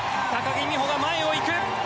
高木美帆が前を行く。